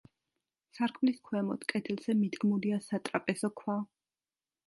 სარკმლის ქვემოთ, კედელზე, მიდგმულია სატრაპეზო ქვა.